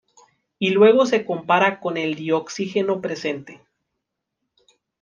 Y luego se compara con el dioxígeno presente.